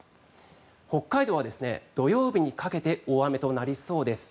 北海道は土曜日にかけて大雨となりそうです。